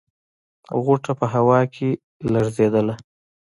غوټه په هوا کې لړزېدله.